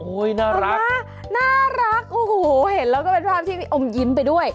น่ารักน่ารักโอ้โหเห็นแล้วก็เป็นภาพที่พี่อมยิ้มไปด้วย